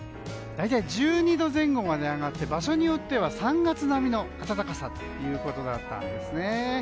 大体１２度前後まで上がって場所によっては３月並みの暖かさということだったんです。